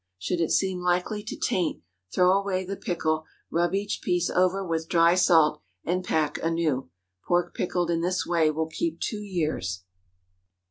Should it seem likely to taint, throw away the pickle, rub each piece over with dry salt, and pack anew. Pork pickled in this way will keep two years.